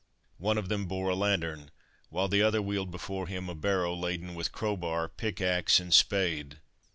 One of them bore a lantern, while the other wheeled before him a barrow, laden with crowbar, pickaxe, and spade.